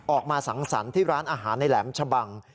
สังสรรค์ที่ร้านอาหารในแหลมชะบัง